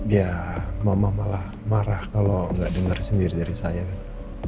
ya mama malah marah kalo gak denger sendiri dari saya kan